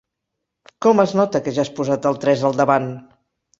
Com es nota que ja has posat el tres al davant.